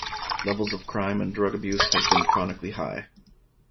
Levels of crime and drug abuse have been chronically high.